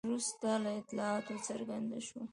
وروسته له اطلاعاتو څرګنده شوه.